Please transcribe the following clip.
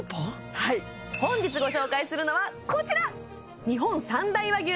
はい本日ご紹介するのはこちら！